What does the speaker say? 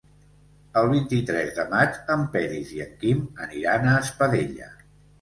El vint-i-tres de maig en Peris i en Quim aniran a Espadella.